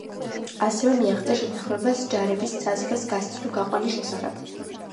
ასევე მიაღწიეს შეთანხმებას ჯარების საზღვრის გასწვრივ გაყვანის შესახებ.